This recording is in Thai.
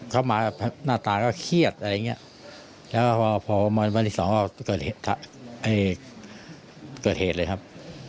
เขาก็เคยเป็นแฟนกับ